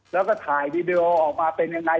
แล้วก็ถ่ายวีดีโอออกมาเป็นยังไง